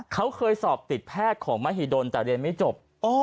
เขาเคยสอบติดแพทย์ของมหิดลแต่เรียนไม่จบ